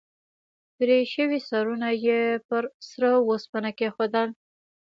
پرې شوي سرونه یې پر سره اوسپنه کېښودل.